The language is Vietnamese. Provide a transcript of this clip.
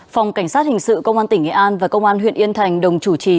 phòng cảnh sát hình sự công an tỉnh nghệ an và công an huyện yên thành đồng chủ trì